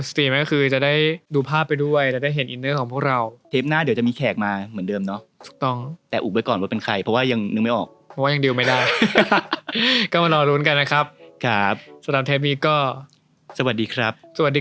สำหรับเทปนี้ก็สวัสดีครับสวัสดีครับ